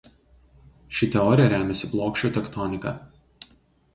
Ši teorija remiasi plokščių tektonika.